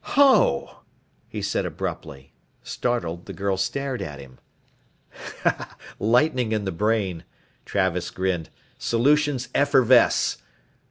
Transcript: "Ho!" he said abruptly. Startled, the girl stared at him. "Lightning in the brain," Travis grinned, "solutions effervesce.